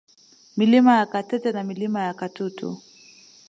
Milima ya Katete na Milima ya Katutu